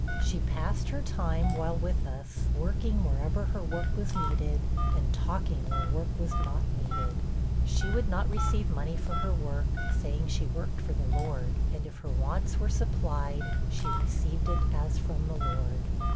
She passed her time, while with us, working wherever her work was needed, and talking where work was not needed. 'She would not receive money for her work, saying she worked for the Lord; and if her wants were supplied, she received it as from the Lord.